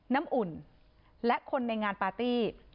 น้ำอุ่นและคนในงานปาร์ตี้